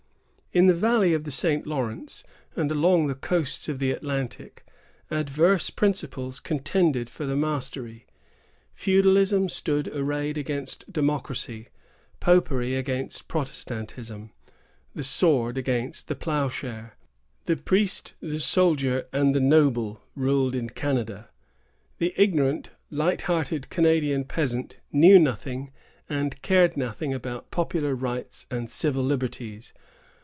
In the valley of the St. Lawrence, and along the coasts of the Atlantic, adverse principles contended for the mastery. Feudalism stood arrayed against Democracy; Popery against Protestantism; the sword against the ploughshare. The priest, the soldier, and the noble, ruled in Canada. The ignorant, light hearted Canadian peasant knew nothing and cared nothing about popular rights and civil liberties.